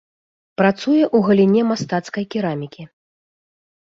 Працуе ў галіне мастацкай керамікі.